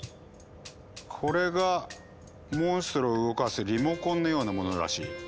これがモンストロを動かすリモコンのようなものらしい。